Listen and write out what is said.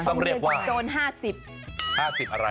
ต้องเรียกว่าโจร๕๐กิโลหรือ๕๐อะไร